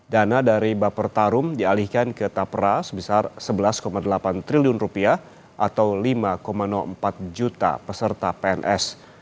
dana dari bapertarum dialihkan ke tapra sebesar rp sebelas delapan triliun atau rp lima empat juta peserta pns